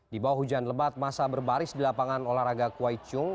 di bawah hujan lebat masa berbaris di lapangan olahraga kuay chung